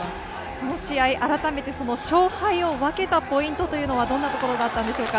この試合、改めて、その勝敗を分けたポイントというのは、どんなところだったんでしょうか。